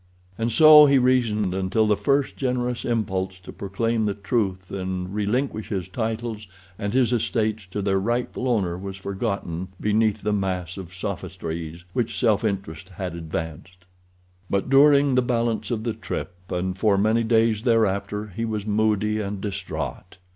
And so he reasoned until the first generous impulse to proclaim the truth and relinquish his titles and his estates to their rightful owner was forgotten beneath the mass of sophistries which self interest had advanced. But during the balance of the trip, and for many days thereafter, he was moody and distraught.